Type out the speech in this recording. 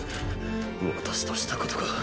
私としたことが。